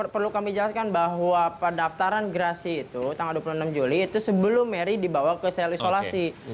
perlu kami jelaskan bahwa pendaftaran gerasi itu tanggal dua puluh enam juli itu sebelum mary dibawa ke sel isolasi